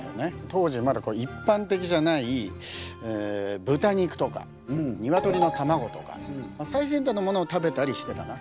当時まだ一般的じゃない豚肉とか鶏の卵とか最先端のものを食べたりしてたな。